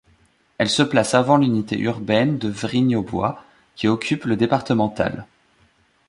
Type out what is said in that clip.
Elle se place avant l'unité urbaine de Vrigne-aux-Bois qui occupe le départemental.